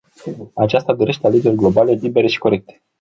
Aceasta dorește alegeri globale, libere și corecte.